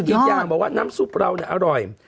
อีกอย่างบอกว่าน้ำซุปเราเนี่ยอร่อย